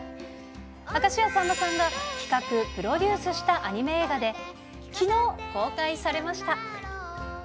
明石家さんまさんが企画、プロデュースしたアニメ映画で、きのう公開されました。